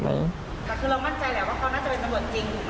แต่คือเรามั่นใจแหละว่าเขาน่าจะเป็นตำรวจจริง